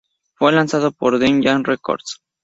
Fue lanzado por Def Jam Records.